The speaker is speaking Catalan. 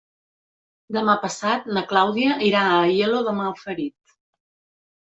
Demà passat na Clàudia irà a Aielo de Malferit.